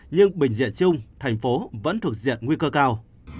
nhưng bình diện chung thành phố vẫn thuộc diện nguy cơ cao